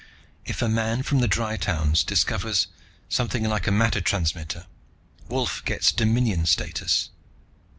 "If a man from the Dry towns discovers something like a matter transmitter, Wolf gets dominion status.